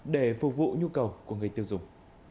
để phục vụ nhu cầu của người tiêu dùng